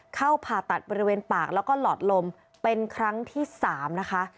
ผ่าตัดบริเวณปากแล้วก็หลอดลมเป็นครั้งที่๓นะคะ